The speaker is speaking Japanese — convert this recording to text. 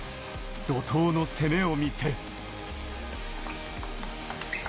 怒とうの攻めを見せる。